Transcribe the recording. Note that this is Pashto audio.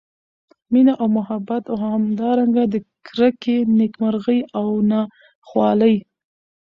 مېنه او محبت او همدا رنګه د کرکي، نیک مرغۍ او نا خوالۍ